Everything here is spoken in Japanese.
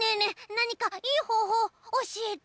なにかいいほうほうおしえて！